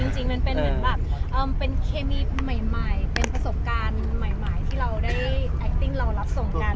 จริงมันเป็นเหมือนแบบเป็นเคมีใหม่เป็นประสบการณ์ใหม่ที่เราได้แอคติ้งเรารับส่งกัน